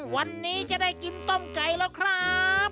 วันนี้จะได้กินต้มไก่แล้วครับ